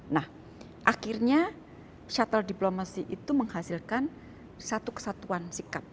nah akhirnya shuttle diplomacy itu menghasilkan satu kesatuan sikap